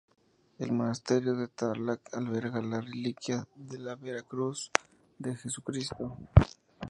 El Monasterio de Tarlac alberga la reliquia de la Vera Cruz de Jesucristo.